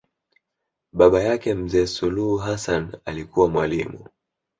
Baba yake mzee Suluhu Hassan alikuwa mwalimu